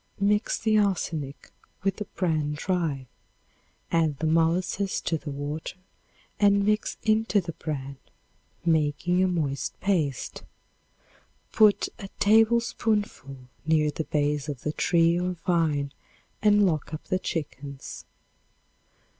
Mix the arsenic with the bran dry. Add the molasses to the water and mix into the bran, making a moist paste. Put a tablespoonful near the base of the tree or vine and lock up the chickens.